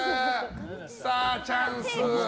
さあチャンス！